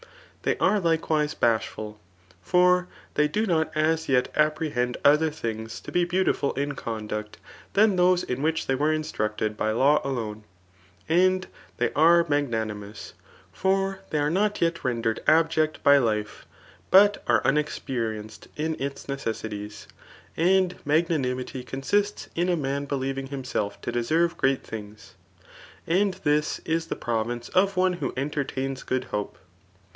They are likewise bashful ; for they do not as yet apprehend other things to be beautiful in conduct than those in which they were instructed by law akme. And they are magnanimous ; for they are not yet rendered abject by life, but are unexperienced in its necessities ; and magnanimity consists in a man believing Imnself to deserve great things ; and this is the province of one who entertains good hope.